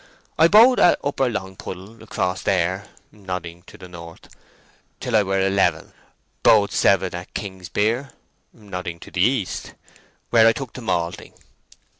I bode at Upper Longpuddle across there" (nodding to the north) "till I were eleven. I bode seven at Kingsbere" (nodding to the east) "where I took to malting.